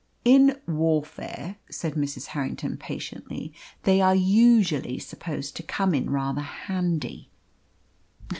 "In warfare," said Mrs. Harrington patiently, "they are usually supposed to come in rather handy."